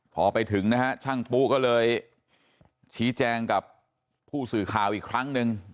พอไปถึงนะฮะช่างปุ๊ก็เลยชี้แจงกับผู้สื่อข่าวอีกครั้งหนึ่ง